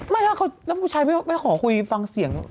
แล้วผู้ชายไม่ขอคุยฟังเสียง